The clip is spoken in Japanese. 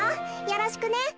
よろしくね。